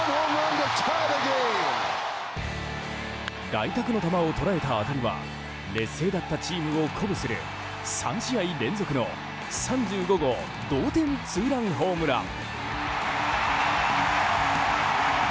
外角の球を捉えた当たりは劣勢だったチームを鼓舞する３試合連続の３５号同点ツーランホームラン！